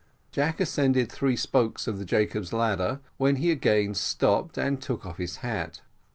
Jack ascended three spokes of the Jacob's ladder, when he again stopped, and took off his hat.